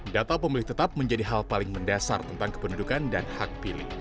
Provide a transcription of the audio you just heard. data pemilih tetap menjadi hal paling mendasar tentang kependudukan dan hak pilih